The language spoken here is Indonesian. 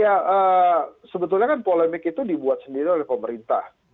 ya sebetulnya kan polemik itu dibuat sendiri oleh pemerintah